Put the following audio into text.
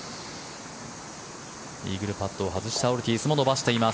イーグルパットを外したオルティーズも伸ばしています。